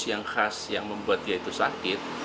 yang khas yang membuat dia itu sakit